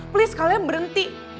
please kalian berhenti